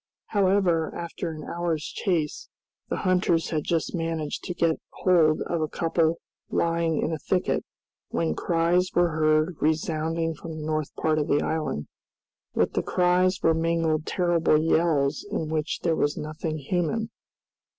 However, after an hour's chase, the hunters had just managed to get hold of a couple lying in a thicket, when cries were heard resounding from the north part of the island, With the cries were mingled terrible yells, in which there was nothing human.